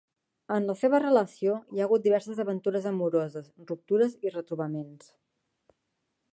En la seva relació hi ha hagut diverses aventures amoroses, ruptures i retrobaments.